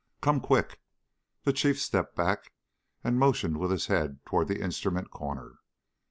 "Come quick!" The Chief stepped back and motioned with his head toward the instrument corner.